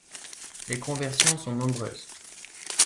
Les conversions sont nombreuses.